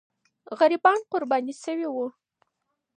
غریبان قرباني سوي وو.